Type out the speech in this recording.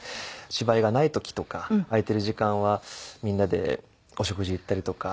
芝居がない時とか空いてる時間はみんなでお食事行ったりとか。